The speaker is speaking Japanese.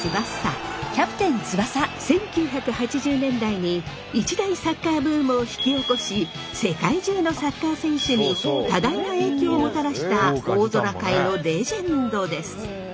１９８０年代に一大サッカーブームを引き起こし世界中のサッカー選手に多大な影響をもたらした大空界のレジェンドです！